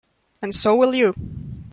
And so will you.